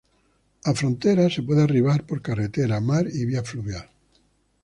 A Frontera se puede arribar por carretera, mar y vía fluvial.